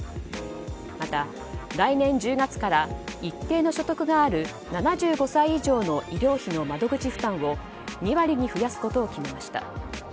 また、来年１０月から一定の所得がある７５歳以上の医療費の窓口負担を２割に増やすことを決めました。